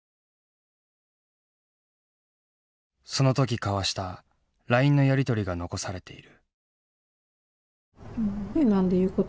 その時交わしたラインのやり取りが残されている。